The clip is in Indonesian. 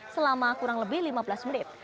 selama kurang lebih lima belas menit